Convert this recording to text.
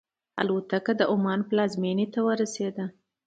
الوتکه د عمان پلازمینې ته ورسېده.